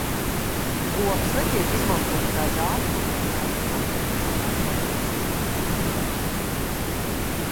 Koksne tiek izmantota kā zāģmateriāls, konstrukcijās, lai izgatavotu finieri.